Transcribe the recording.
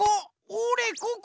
おれここ！